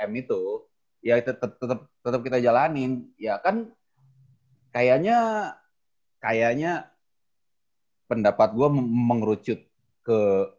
tiga m itu ya tetep tetep kita jalanin ya kan kayaknya kayaknya pendapat gue mengerucut ke perwakilan semua